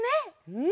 うん。